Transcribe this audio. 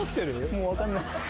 もう分かんない。